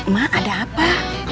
mak ada apa